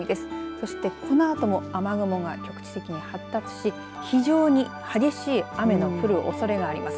そして、このあとも雨雲が局地的に発達し非常に激しい雨の降るおそれがあります。